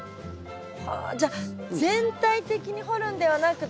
はじゃあ全体的に掘るんではなくて。